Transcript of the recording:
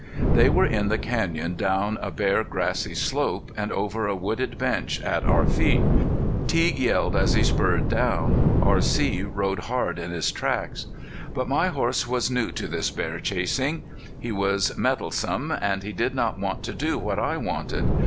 They were in the canyon down a bare grassy slope and over a wooded bench at our feet. Teague yelled as he spurred down. R.C. rode hard in his tracks. But my horse was new to this bear chasing. He was mettlesome, and he did not want to do what I wanted.